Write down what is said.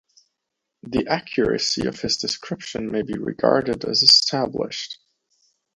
The accuracy of his description may be regarded as established.